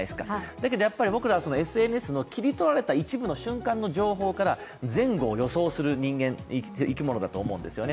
だけどやっぱり僕らはＳＮＳの切り取られた一部の瞬間の情報から前後を予想する生き物だと思うんですよね。